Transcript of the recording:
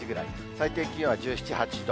最低気温は１７、８度。